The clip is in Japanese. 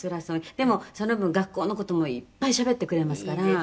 「でもその分学校の事もいっぱいしゃべってくれますから」